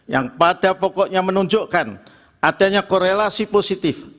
yang pada pokoknya menunjukkan adanya korelasi positif